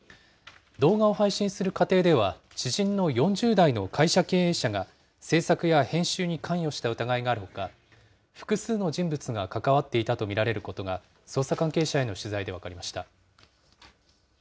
動画を配信する過程では、知人の４０代の会社経営者が、制作や編集に関与した疑いがあるほか、複数の人物が関わっていたと見られることが、捜査関係者への取材で分かりました。